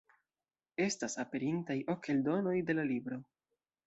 Estas aperintaj ok eldonoj de la libro.